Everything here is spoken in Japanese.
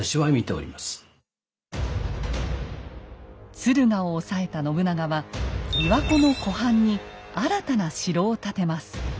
敦賀を押さえた信長は琵琶湖の湖畔に新たな城を建てます。